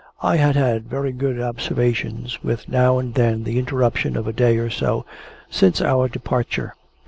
I had had very good observations, with now and then the interruption of a day or so, since our departure.